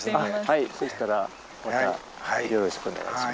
はいそしたらまたよろしくお願いします。